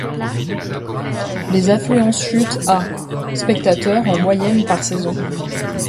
Les affluences chutent à spectateurs en moyenne par saison.